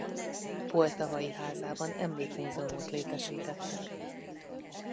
Poltavai házában emlékmúzeumot létesítettek.